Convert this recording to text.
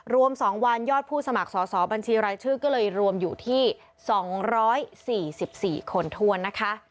รวม๒วันยอดผู้สมัครสอบบัญชีรายชื่อก็เลยรวมอยู่ที่๒๔๔คนถ้วนนะคะ